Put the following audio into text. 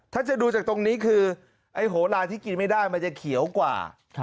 ถ้าจะดูจากตรงนี้คือไอ้โหลาที่กินไม่ได้มันจะเขียวกว่า